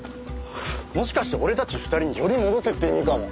もしかして俺たち２人により戻せって意味かも。